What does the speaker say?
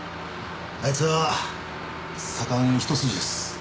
あいつは左官一筋です。